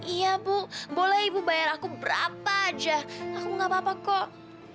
iya bu boleh ibu bayar aku berapa aja aku mau ngapa ngapa kok